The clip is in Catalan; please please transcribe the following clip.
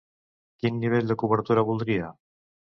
Quin nivell de cobertura voldria?